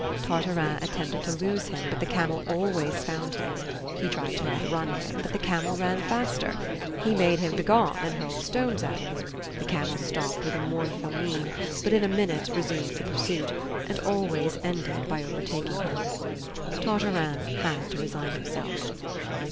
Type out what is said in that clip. Tartarin attempted to lose him, but the camel always found him; he tried to outrun him, but the camel ran faster. He bade him begone, and hurled stones at him. The camel stopped with a mournful mien, but in a minute resumed the pursuit, and always ended by overtaking him. Tartarin had to resign himself.